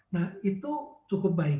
nah itu cukup baik